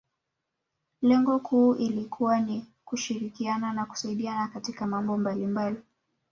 Lengo kuu ilikuwa ni kushirikiana na kusaidiana katika mambo mbalimbali